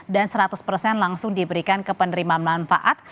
dan seratus persen langsung diberikan ke penerima manfaat